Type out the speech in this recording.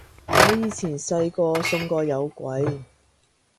我以前細個信過有鬼